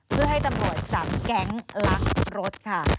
เพื่อให้ตำรวจจับแก๊งลักรถค่ะ